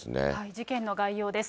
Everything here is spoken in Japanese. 事件の概要です。